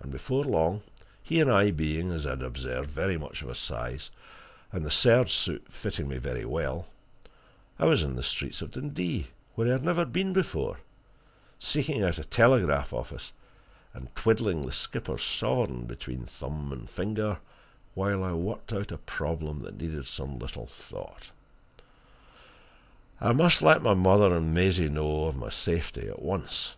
And before long he and I being, as he had observed, very much of a size, and the serge suit fitting me very well I was in the streets of Dundee, where I had never been before, seeking out a telegraph office, and twiddling the skipper's sovereign between thumb and finger while I worked out a problem that needed some little thought. I must let my mother and Maisie know of my safety at once.